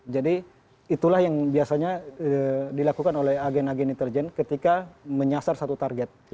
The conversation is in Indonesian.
jadi itulah yang biasanya dilakukan oleh agen agen intelijen ketika menyasar satu target